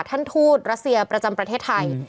ท่านทูตราเซียประจำประเทศไทย